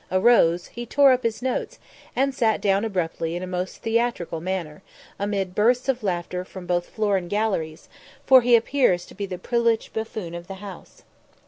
arose, he tore up his notes, and sat down abruptly in a most theatrical manner, amid bursts of laughter from both floor and galleries; for he appears to be the privileged buffoon of the House.